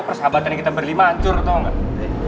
persahabatan yang kita berima hancur tau gak